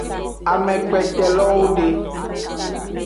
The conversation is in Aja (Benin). Amekpetelowo de.